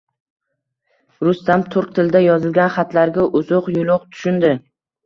Rustam turk tilida yozilgan xatlarga uzuq-yuluq tushundi